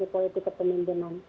dan bagi politik ketemuan dengan